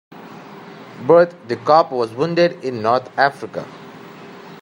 Bert the cop was wounded in North Africa.